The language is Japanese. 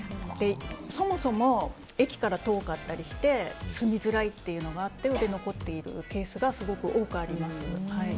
そもそも駅から遠かったりして住みづらいっていうのもあって売れ残っているケースがすごく多くあります。